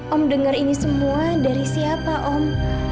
om dengar ini semua dari siapa om